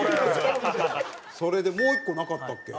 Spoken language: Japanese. それでもう１個なかったっけ？